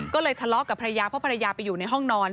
ก็เลยทะเลาะกับภรรยาเพราะภรรยาไปอยู่ในห้องนอน